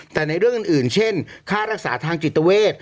แต่ในเรื่องอื่นเช่นค่ารักษาทางจิตเวท